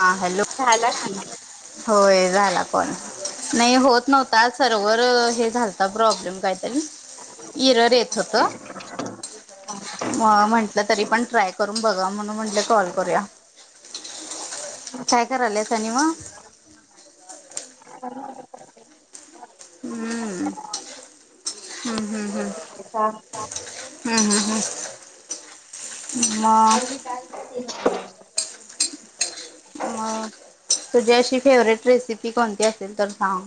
हा हॅलो, झाला की होय झाला कॉल. नाहीं होतं नव्हतां सर्वर हे झालंता प्रॉब्लेम कांहींतरी. इरर येतं होतं मं म्हंटलं तरी पणं ट्रायं... करूंन बघावं म्हणूंन म्हटलं कॉल करूंया. कायं कराल्यांस आणि मं. हम्मं हम्मं हम्मं. अच्छा, हां हां हां. मगं अच्छा, मगं तुझी अशी फेवरेट रेसिपी कोणंती असेल तरं सांग.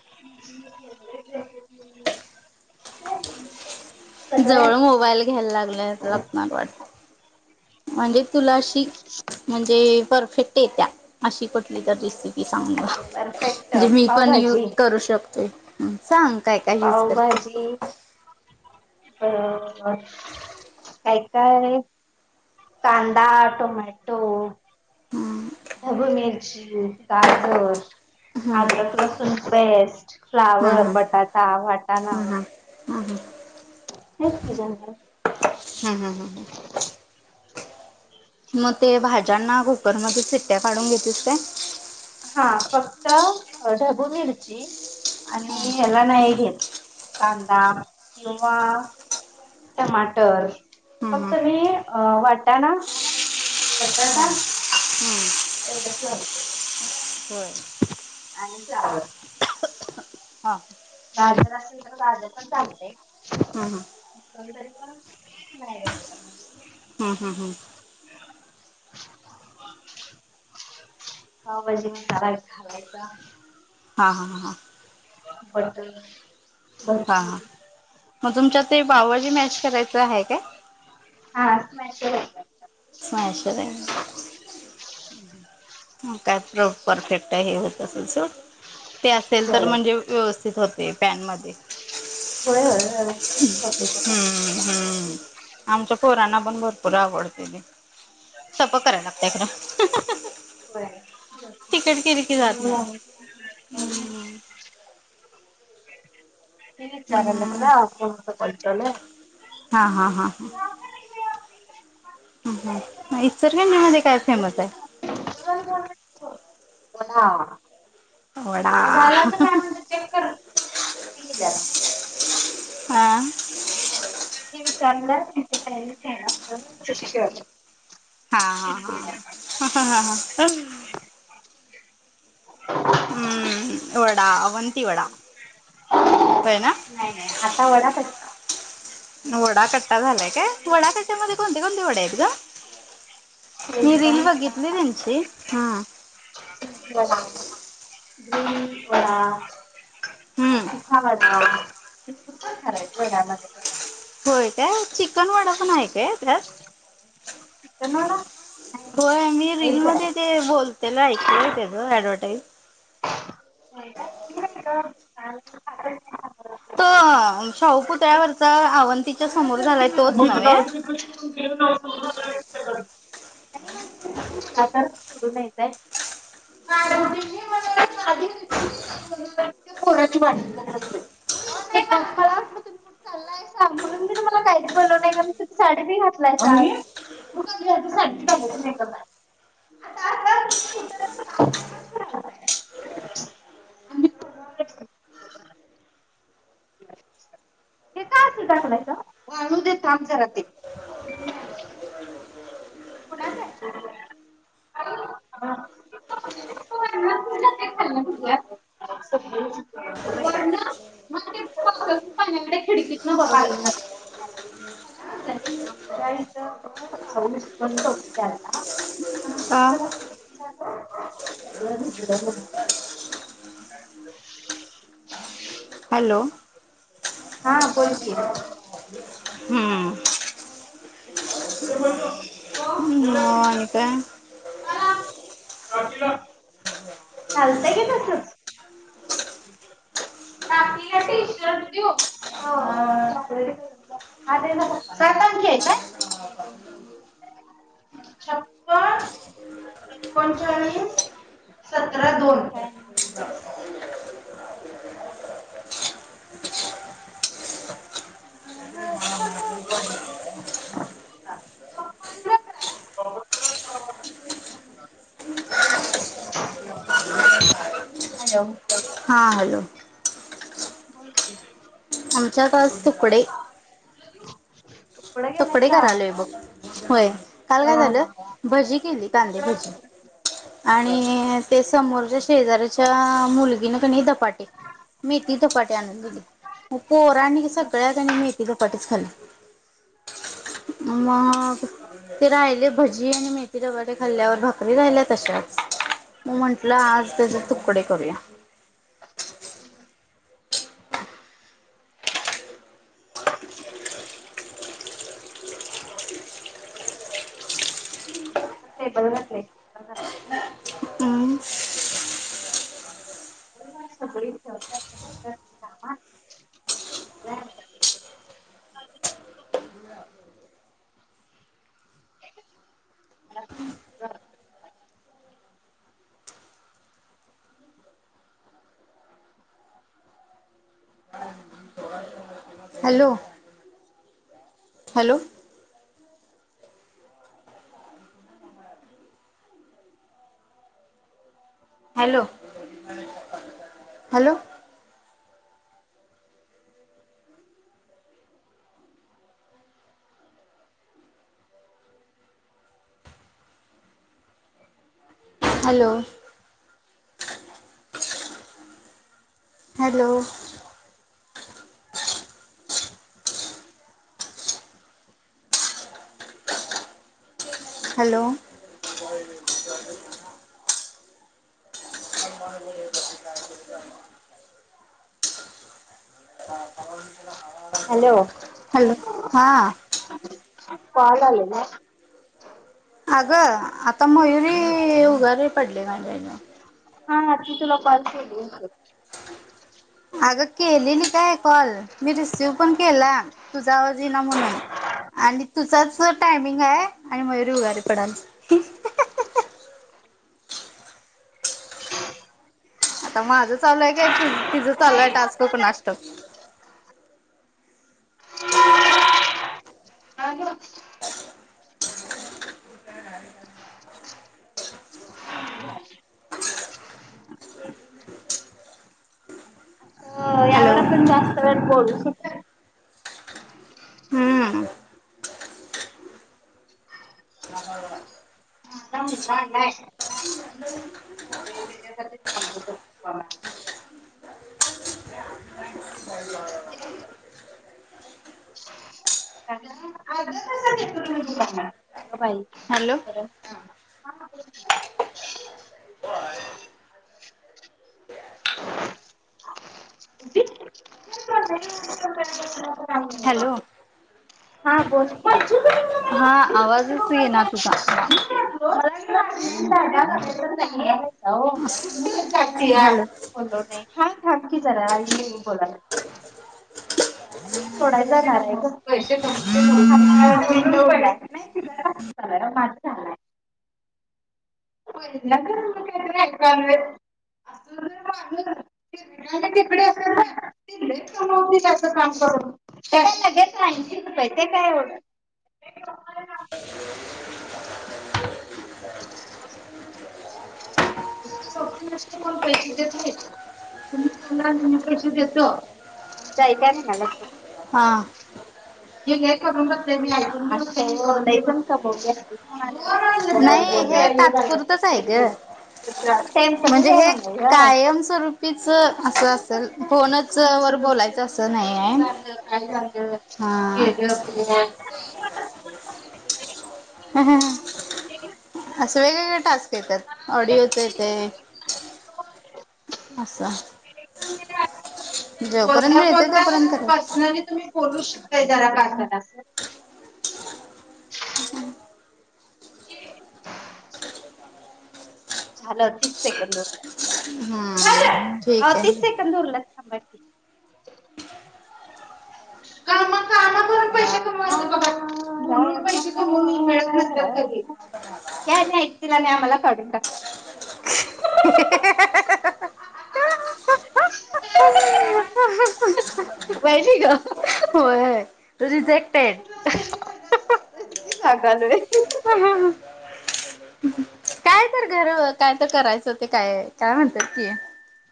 [unintelligible] हं, जवळं मोबाईल घ्यांयला लागले लागणारं वाटतं, म्हणजे तुलां अशी म्हणजे परफेक्ट येत्यां, अशी कुंठली तरं रेसिपी सांगायला. परफेक्ट म्हणजे मी पणं यूंज पावभाजी करूं शकतोय, सांग कायं कायं युंज करते? हो हं कायं कायं, कांदा, टोमॅटो, ढबुं मिर्ची, गाजरं, अद्रक लसूणं पेस्ट, फ्लांवर, बटाटा, वाटांणा, हम्मं हम्मं, हम्मं हं, हेचं की जणरलं हां हां हां, मंग ते भाज्यांना, कुकरमध्यें सिट्ट्या काढूंन घेतीस कायं? हां फक्तं, ढबू मिर्ची, आणि हम् ह्यांला नाहीं घेतं, कांदा किंवा, टमांटर, हम फक्तं मी वाटांना, बटाटा, एवढेचं लावतोय. होय आणि फ्लांवर. हा गाजरं असलं तरं गाजरं पणं चालतंय, हम् हम तरी पनं नाही, हंम हम्मं हम्मं. पावभाजी मसांला एक घालांयचा. हां हां हां. बटंन हां हां, मंग तुमच्यांत ते पावभाजी मॅश करायचं आहे कायं? हां, मॅशर हांय. मॅशर हांय. मंग कायं परफेक्ट आहे होतं. ते असेल तरं होय म्हणजे व्यवस्थित होतंय पॅन मध्यें. होयं होयं, व्यवस्थित होत्यां सुद्धां हम्म आमच्या पोरांना पणं भरंपूर आवडतंय ते, सपंक करांयला लागतंय खरं. तिकीट केली की जात नाही. व्हयं ती विचाराल्यां हम्म मलां, मी मटलं कॉल चालुंय. हां हां हां हां, ह, हा, इचलकरंजीमध्ये काय फेमस हाय? [unintelligible] वडा हा झाल असल दहा मिनट चेक कर. हा. [unintelligible] हा, हा, हा, ह, ह, ह. [unintelligible] हम्म, वडा, अवंती वडा. होय ना नाही, नाही आता वडा कट्टा. [unintelligible] वडा कट्टा झालाय काय? वडा कट्ट्यामध्ये कोणते-कोणते वडे आहेत गं? मी शेजवान रील वडा, बघितली त्येची. [unintelligible] दही वडा. हम्म [unintelligible] होय काय, चिकन वडा पण हाय काय त्यात? [unintelligible] होय, मी रीलमध्ये ते बोलतेल ऐकलय तेज ऍडव्हटाईज. [unintelligible] [unintelligible] तो, शाहूपुतळ्यावरचा आवंतीच्या समोर झालाय तोच नव्हे? [unintelligible] [unintelligible] [inaudible] [unintelligible] मी तुम्हाला [unintelligible] [unintelligible] आता आता तुम्ही कुठं [unintelligible] तर चाललायसा. [unintelligible] [unintelligible] कुणाचं हाय? [unintelligible] [unintelligible] [unintelligible] आमच्या इथं का? [unintelligible] [unintelligible] हॅलो. हा बोल की. [unintelligible] हम्म. हो आणि काय [unintelligible] [unintelligible] चालतंय की तसंच. [unintelligible] टाकीला टी-शर्ट देवू? [unintelligible] सात अंकी आहे काय? छप्पन एकोणचाळीस सतरा दोन. ह ह. [unintelligible] हॅलो. हां हॅलो. [unintelligible] फुलच्या तास तुकडे. कुठं कपडे गेलायसा? करायला येऊ बघ. होय. काल वा काय वा झालं, वा वा. भजी केली, कांदे भजी आणि ते समोरच्या शेजऱ्याच्या मुलगीने कनी धपाटे. मी ती धपाटे आणून दिली. पोर आणि सगळ्या जणी मिहती धपाटेच खाल्ले. ममग ते राहिले भजी आणि मेथी धपाटे खाल्ल्यावर भाकरी राहिल्या तशाच. म म्हंटलं आज त्याचे तुकडे करूया. [inaudible] [unintelligible] टेबल घातले. हम्म बैल करते आहे. [unintelligible] Hello. Hello. Hello. Hello. Hello. Hello. Hello. [unintelligible] [unintelligible] [unintelligible] Hello. Hello हा कॉल आले ना? आगं, आता मयुरी उगारी पडलय. [unintelligible] हा हा ती तुला कॉल केली होतं. आगं केलेली काय कॉल? मी रिसीव्ह पण केला तूजा आवाज येईना म्हणून. आणि तुझाच जो टायमिंग आहे आणि मयुरी उगारे पडाल. आता माझं चालू हाय काय तिच तिचं चालू हाय टास्क कुणास ठावुक? [unintelligible] अ यावर हॅलो. [unintelligible] हुंम्म. [unintelligible] [unintelligible] अग बाई. हॅल्लो. [unintelligible] हॅलो [unintelligible] हा बोल. बोललो हा आवाजच येईना तुझा. हॅलो [unintelligible] हा थाब की जरा सोडायला जाणार आहे ग पैसे कम [unintelligible] [unintelligible] तिकडे अस त्याचं काम करून [inaudible] [unintelligible] [unintelligible] ताई काय म्हणाल्यात बघ हा. [unintelligible] नाही हे तात्पुरतच आहे ग [unintelligible] म्हणजे हे कायमस्वरूपीच असं असेल [unintelligible] फोनच आपल वर सगळं कुठ बोलायचं कसं असं नाही डिस्कशन आहे चालल काय झालं हा गेलं कोण [unintelligible] हा हा हा असं टास्क येतात ऑडिओच येते अस जोपर्यंत बोलता येते बोलता तोपर्यंत करा पर्सनली तुम्ही पोरग शिकतय जरा काय करा असं झालं तीस सेकड उरल्यात हम्म आओ ठीक तीस आहे सेक उरल्यात थांबा कि कसल्या पैसे कमयचे हे बघा म्हणून पैसे कमवून मिळत नसतात ते हे त्या ह्या ऐकतील आणि आम्हाला काढून टाक वैरी ग होय रिजेक्टेड किती सांगगाल रे काय तर घर काय ते करायच ते काय काय म्हणतात ते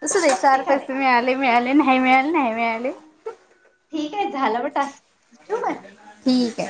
तसंये ते सारखं तुम्ही करायचं. आले मिळाले नाही मिळाले नाही मिळाले ठीक आहे झालं ब टास्क ठेऊकाय ठीके